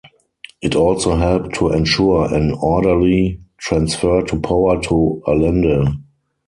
It also helped to ensure an orderly transfer of power to Allende.